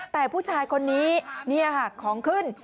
แต่ผู้ชายคนนี้นี่ค่ะของขึ้น